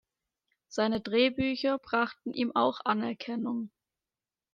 Seine Drehbücher brachten ihm auch Anerkennung.